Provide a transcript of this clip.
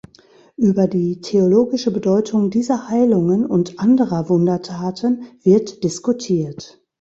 Über die theologische Bedeutung dieser Heilungen und anderer Wundertaten wird diskutiert.